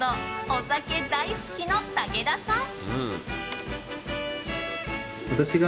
お酒大好きの武田さん。